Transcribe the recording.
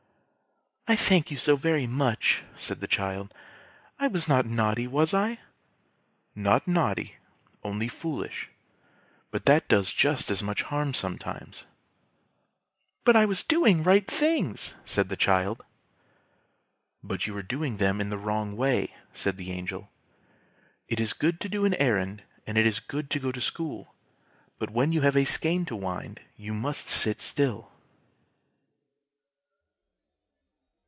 "I thank you so very much!" said the child. "I was not naughty, was I?" "Not naughty, only foolish; but that does just as much harm sometimes." "But I was doing right things!" said the child. "But you were doing them in the wrong way!" said the Angel. "It is good to do an errand, and it is good to go to school, but when you have a skein to wind you must sit still."